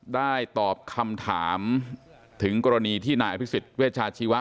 ได้ตอบคำถามถึงกรณีที่นายอภิษฎเวชาชีวะ